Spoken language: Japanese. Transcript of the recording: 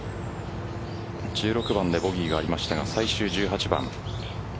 １６番でボギーがありましたが最終１８番。